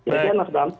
terima kasih mas bram